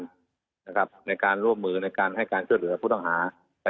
ในการร่วมมือในการให้การช่วยเหลือผู้ต้องหา